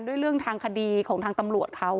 เรื่องทางคดีของทางตำรวจเขา